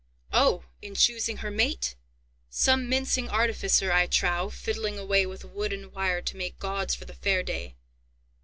"Oh! in choosing her mate! Some mincing artificer, I trow, fiddling away with wood and wire to make gauds for the fair day!